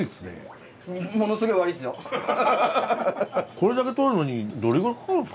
これだけとるのにどれぐらいかかるんすか？